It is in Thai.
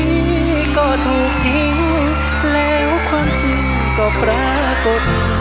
นี่ก็ถูกทิ้งแล้วความจริงก็ปรากฏ